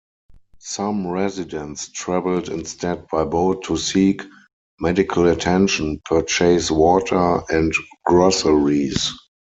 Some residents traveled instead by boat to seek medical attention, purchase water, and groceries.